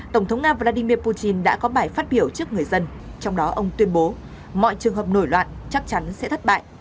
tổng thống nga vladimir putin đã có bài phát biểu trước người dân trong đó ông tuyên bố mọi trường hợp nổi loạn chắc chắn sẽ thất bại